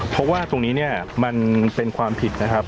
เพราะว่าตรงนี้เนี่ยมันเป็นความผิดนะครับ